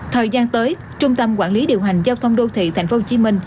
thời gian tới trung tâm quản lý điều hành giao thông đô thị tp hcm